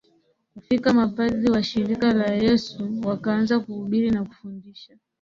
kufika Mapadri wa Shirika la Yesu wakaanza kuhubiri na kufundisha